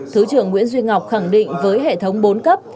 thứ trưởng nguyễn duy ngọc khẳng định với hệ thống bốn cấp